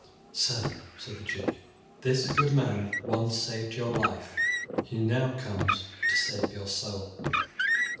"Sir," said the Duke, "this good man once saved your life. He now comes to save your soul."